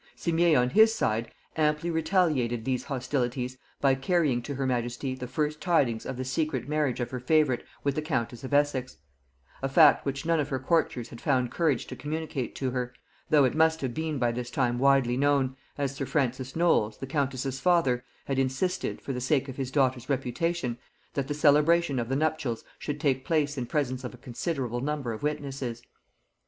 Simier on his side amply retaliated these hostilities by carrying to her majesty the first tidings of the secret marriage of her favorite with the countess of Essex; a fact which none of her courtiers had found courage to communicate to her, though it must have been by this time widely known, as sir Francis Knowles, the countess's father, had insisted, for the sake of his daughter's reputation, that the celebration of the nuptials should take place in presence of a considerable number of witnesses.